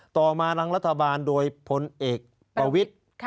ต่อมาทางรัฐบาลโดยพลเอกประวิทธิ์